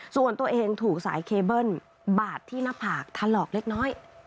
ส่วนตัวเองถูกสายเคเบิ้ลบาดที่หน้าผากทะลอกเล็กน้อย